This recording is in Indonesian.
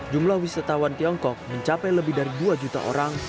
jumlah wisatawan tiongkok mencapai lebih dari dua juta orang